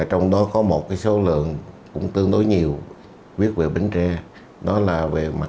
trong đó có một số lượng cũng tương đối nhiều viết về bến tre đó là về ca khúc